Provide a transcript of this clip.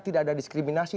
tidak ada diskriminasi